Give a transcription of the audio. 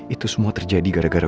itu semua terjadi karena